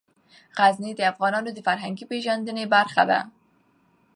غزني د افغانانو د فرهنګي پیژندنې برخه ده.